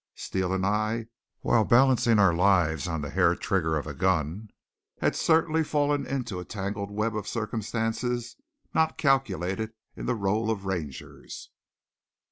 Steele and I, while balancing our lives on the hair trigger of a gun, had certainly fallen into a tangled web of circumstances not calculated in the role of Rangers.